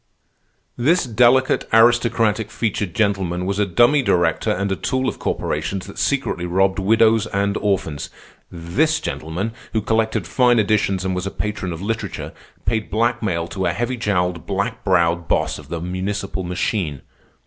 "This delicate, aristocratic featured gentleman was a dummy director and a tool of corporations that secretly robbed widows and orphans. This gentleman, who collected fine editions and was a patron of literature, paid blackmail to a heavy jowled, black browed boss of a municipal machine.